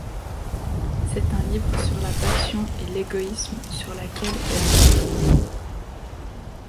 C'est un livre sur la passion et l'égoïsme sur laquelle elle repose.